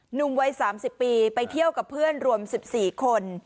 หนุ่มวัย๓๐ปีไปเที่ยวกับเพื่อนรวม๑๔คน